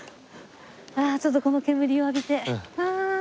ちょっとこの煙を浴びて。